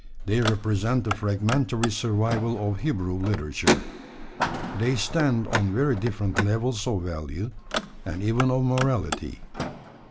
They represent the fragmentary survival of Hebrew literature. They stand on very different levels of value, and even of morality.